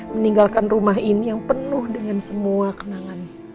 meninggalkan rumah ini yang penuh dengan semua kenangan